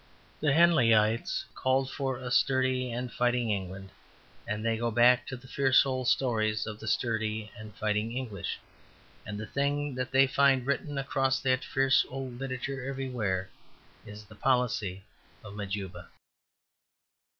The Henleyites call for a sturdy and fighting England, and they go back to the fierce old stories of the sturdy and fighting English. And the thing that they find written across that fierce old literature everywhere, is "the policy of Majuba."